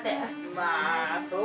まあそう？